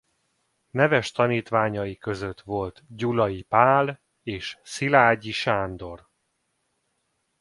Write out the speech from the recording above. Neves tanítványai között volt Gyulai Pál és Szilágyi Sándor.